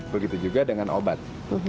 begitu juga dengan obat